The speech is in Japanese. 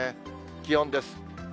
気温です。